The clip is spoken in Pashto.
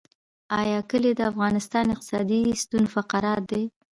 آیا کلي د افغانستان اقتصادي ستون فقرات دي؟